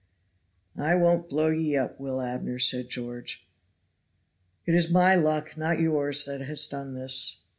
"I won't blow ye up, Will Abner," said George. "It is my luck not yours that has done this.